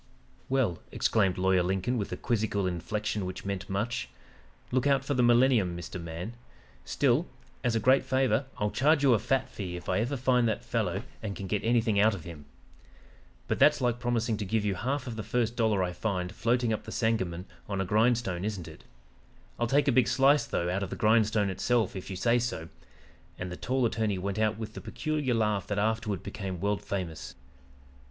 "'Well,' exclaimed Lawyer Lincoln with a quizzical inflection which meant much. 'Look out for the millennium, Mr. Man still, as a great favor, I'll charge you a fat fee if I ever find that fellow and can get anything out of him. But that's like promising to give you half of the first dollar I find floating up the Sangamon on a grindstone, isn't it? I'll take a big slice, though, out of the grindstone itself, if you say so,' and the tall attorney went out with the peculiar laugh that afterward became world famous.